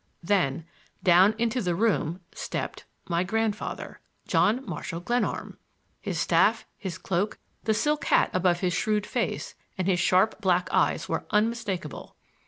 Then down into the room stepped my grandfather, John Marshall Glenarm! His staff, his cloak, the silk hat above his shrewd face, and his sharp black eyes were unmistakable.